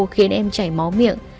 khiến em chảy máu miệng